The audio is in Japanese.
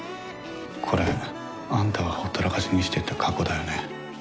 これ、あんたがほったらかしにしてた過去だよね？